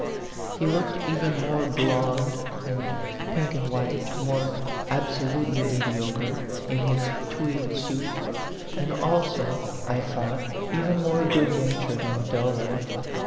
He looked even more blond and pink and 14 A PHANTOM LOVER. white, more absolutely mediocre, in his tweed suit ; and also, I thought, even more good natured and duller.